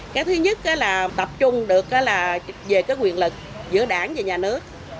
cái thứ nhất là tập trung được là về cái quyền lực giữa đảng và nhà nước